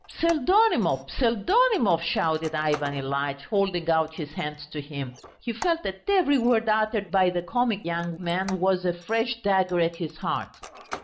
"Pseldonimov, Pseldonimov," shouted Ivan Ilyitch, holding out his hands to him. He felt that every word uttered by the comic young man was a fresh dagger at his heart.